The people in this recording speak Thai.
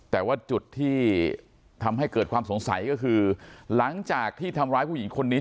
แต่ว่าจุดที่ทำให้เกิดความสงสัยก็คือหลังจากที่ทำร้ายผู้หญิงคนนี้